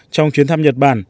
trong chuyến thăm nhật bản